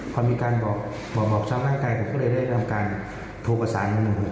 พอมีการบอกงานในเขาก็ได้ได้เป็นประโยคการโทรประสาทหรือ๖๙